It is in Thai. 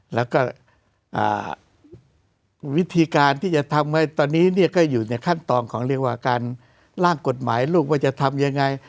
แล้วก็วิธีการที่จะทำให้ตอนนี้เนี่ยก็อยู่ในขั้นตอนของเรียกว่าการล่างกฎหมายลูกว่าจะทำยังไง